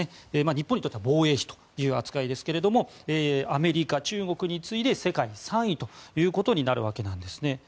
日本にとっては防衛費という扱いですがアメリカ、中国に次いで世界３位となるわけです。